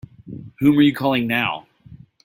Whom are you calling now?